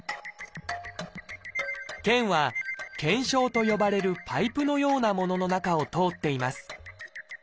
腱は「腱鞘」と呼ばれるパイプのようなものの中を通っています。